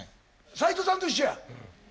斉藤さんと一緒や。